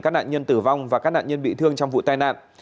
các nạn nhân tử vong và các nạn nhân bị thương trong vụ tai nạn